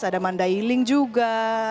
ada mandailing juga